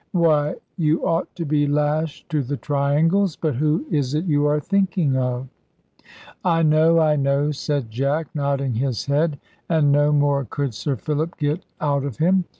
Why, you ought to be lashed to the triangles. But who is it you are thinking of?" "I know, I know," said Jack, nodding his head; and no more could Sir Philip get out of him.